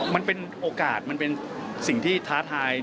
มันเป็นโอกาสมันเป็นสิ่งที่ท้าทาย